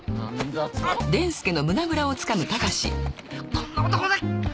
こんな男ね